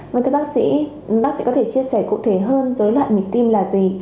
vâng thưa bác sĩ bác sĩ có thể chia sẻ cụ thể hơn dối loạn nhịp tim là gì